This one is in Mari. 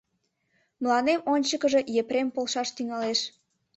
Мыланем ончыкыжо Епрем полшаш тӱҥалеш.